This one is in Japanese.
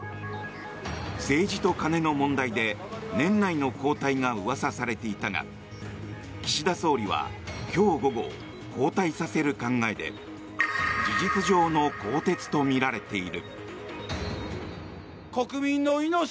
政治と金の問題で年内の交代がうわさされていたが岸田総理は今日午後交代させる考えで事実上の更迭とみられている。